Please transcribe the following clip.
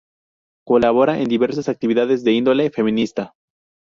Colabora en diversas actividades de índole feminista.